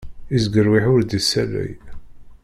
Isgerwiḥ ur d-issalay.